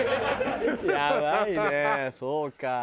やばいねそうか。